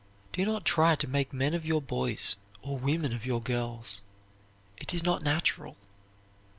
Do not try to make men of your boys or women of your girls. It is not natural.